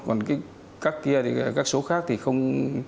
còn các số khác thì không